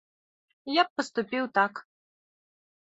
Я б паступіў так.